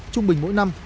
trung bình mỗi năm